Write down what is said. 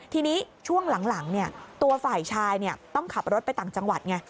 ทีนี้ช่วงหลังตัวฝ่ายชายต้องขับรถไปต่างจังหวัดไง